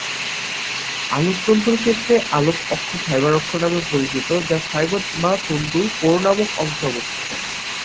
আলোক তন্তুর ক্ষেত্রে আলোক অক্ষ "ফাইবার অক্ষ" নামেও পরিচিত, যা ফাইবার বা তন্তুর কোর নামক অংশে অবস্থিত।